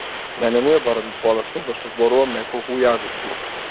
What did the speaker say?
Мене ми е барем полесно зашто зборувам неколку јазици.